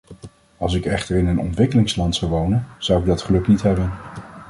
Als ik echter in een ontwikkelingsland zou wonen, zou ik dat geluk niet hebben.